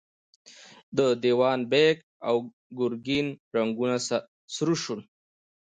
د دېوان بېګ او ګرګين رنګونه سره شول.